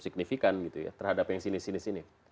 signifikan gitu ya terhadap yang sinis sinis ini